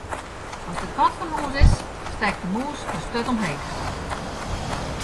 As de kat fan hús is, stekt de mûs de sturt omheech.